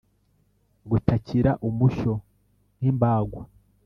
gutakira umushyo nk'imbagwa